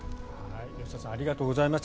吉田さんありがとうございました。